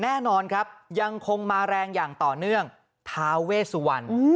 แน่นอนครับยังคงมาแรงอย่างต่อเนื่องท้าเวสวรรณ